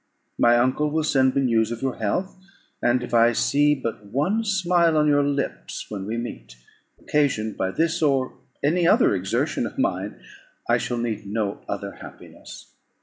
My uncle will send me news of your health; and if I see but one smile on your lips when we meet, occasioned by this or any other exertion of mine, I shall need no other happiness.